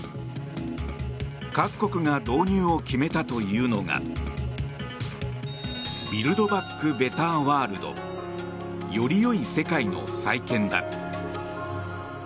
各国が導入を決めたというのがビルド・バック・ベター・ワールドより良い世界の再建だ。